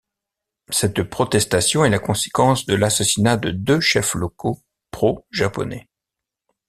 Cette protestation est la conséquence de l'assassinat de deux chefs locaux pro-japonais.